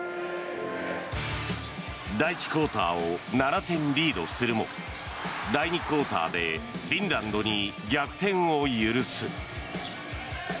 第１クオーターを７点リードするも第２クオーターでフィンランドに逆転を許す。